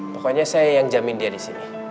pokoknya saya yang jamin dia disini